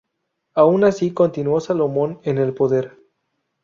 Aun así continuó Salomon en el poder.